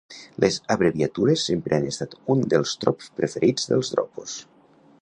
Les abreviatures sempre han estat un dels trops preferits dels dropos.